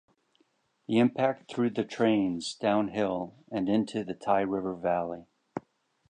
The impact threw the trains downhill and into the Tye River valley.